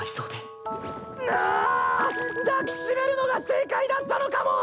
抱き締めるのが正解だったのかも！